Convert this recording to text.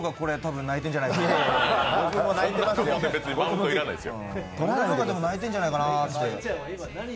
僕の方が泣いてるんじゃないかなぁ。